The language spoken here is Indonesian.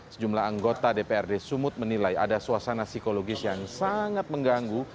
sejumlah anggota dprd sumut menilai ada suasana psikologis yang sangat mengganggu